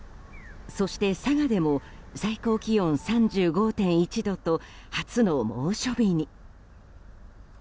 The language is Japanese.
そして、佐賀でも最高気温３５．１度と初の猛暑日に。